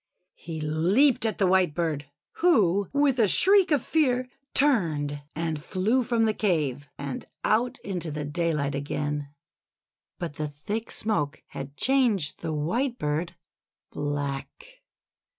He leaped at the Whitebird, who with a shriek of fear, turned and flew from the cave, and out into the daylight again. But the thick smoke had changed the White bird black.